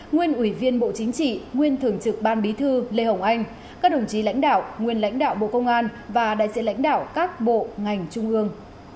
nguyên ủy viên bộ chính trị nguyên thường trực ban bí thư lê hồng anh các đồng chí lãnh đạo nguyên lãnh đạo bộ công an và đại diện lãnh đạo các bộ ngành trung ương